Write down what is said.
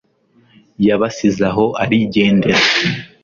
yabasize aho arigendera